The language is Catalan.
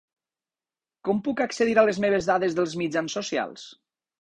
Com puc accedir a les meves dades dels mitjans socials?